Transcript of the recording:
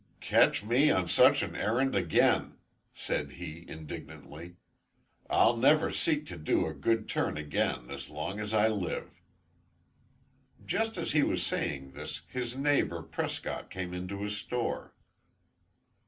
"Catch me on such an errand again," said he, indignantly. "I'll never seek to do a good turn again as long as I live." Just as he was saying this, his neighbor Prescott came into his store.